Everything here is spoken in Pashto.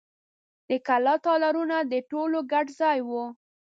د کلا تالارونه د ټولو ګډ ځای و.